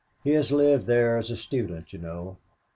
He has lived there as a student, you know.